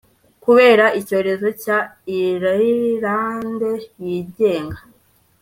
kubera icyorezo cya Irilande yigenga